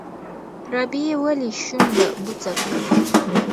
رابعې ولې شونډه بوڅه کړه؟